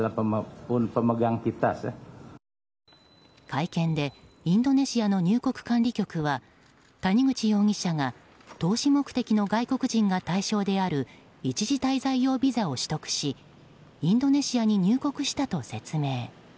会見でインドネシアの入国管理局は谷口容疑者が投資目的の外国人が対象である一時滞在用ビザを取得しインドネシアに入国したと説明。